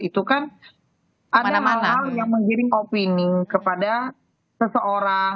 itu kan ada hal hal yang menggiring opini kepada seseorang